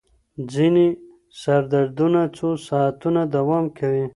ځینې سردردونه څو ساعتونه دوام کوي.